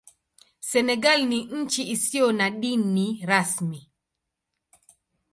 Senegal ni nchi isiyo na dini rasmi.